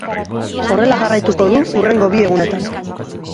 Horrela jarraituko du hurrengo bi egunetan.